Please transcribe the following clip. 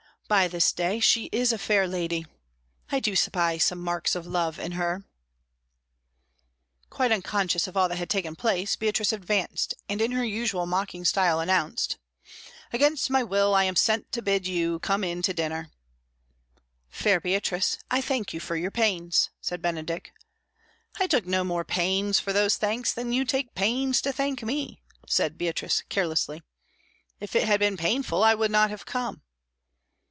By this day, she is a fair lady! I do spy some marks of love in her." [Illustration: "Yet tell her of it; hear what she will say."] Quite unconscious of all that had taken place, Beatrice advanced, and in her usual mocking style announced: "Against my will I am sent to bid you come in to dinner." "Fair Beatrice, I thank you for your pains," said Benedick. "I took no more pains for those thanks than you take pains to thank me," said Beatrice carelessly. "If it had been painful I would not have come."